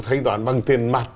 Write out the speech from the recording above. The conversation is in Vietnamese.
thanh toán bằng tiền mặt